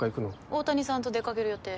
大谷さんと出かける予定。